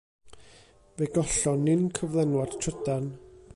Fe gollon ni'n cyflenwad trydan.